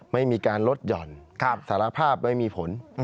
ไม่มีการลดหย่อนสารภาพไม่มีผล